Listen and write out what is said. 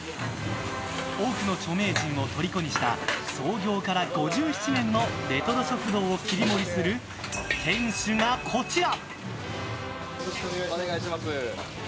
多くの著名人をとりこにした創業から５７年のレトロ食堂を切り盛りする店主が、こちら。